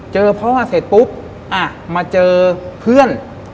เจอพ่อเสร็จปุ๊บอ่ะมาเจอเพื่อน